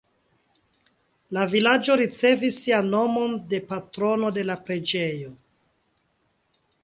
La vilaĝo ricevis sian nomon de patrono de la preĝejo.